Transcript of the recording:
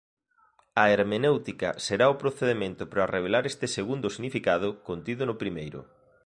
A hermenéutica será o procedemento para revelar este segundo significado contido no primeiro.